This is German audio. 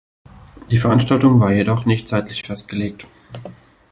Die Veranstaltung war jedoch nicht zeitlich festgelegt.